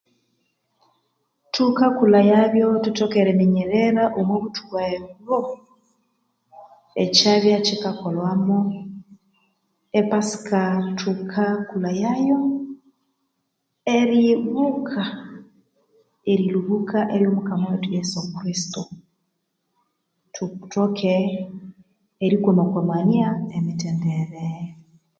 Thukakulhayabyo thuthoke eriminyerera omwa buthuku eh obo ekyabya kyikakolhwamu epasika thukakulhayayo eryubuka erilhubuka erya Mukama wethu yesu kirisito thuthuthoke eri kwama kwamania emithendere